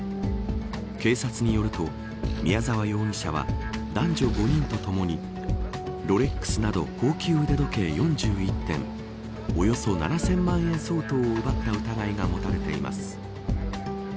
警察によると宮沢容疑者は男女５人とともにロレックスなど高級腕時計４１点およそ７０００万円相当を奪った疑いが持たれています。